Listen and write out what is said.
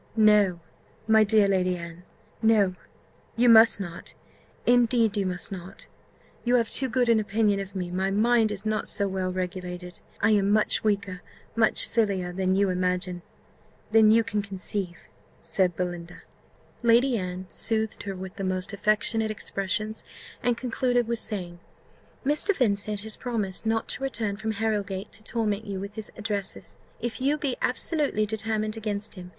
"No, my dear Lady Anne! no; you must not indeed you must not. You have too good an opinion of me my mind is not so well regulated I am much weaker, much sillier, than you imagine than you can conceive," said Belinda. Lady Anne soothed her with the most affectionate expressions, and concluded with saying, "Mr. Vincent has promised not to return from Harrowgate, to torment you with his addresses, if you be absolutely determined against him.